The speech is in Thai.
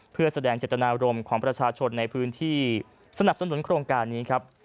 เพื่อแสดงเจตนารมณ์ของประชาชนในพื้นที่สนับสนุนโครงการนี้ครับ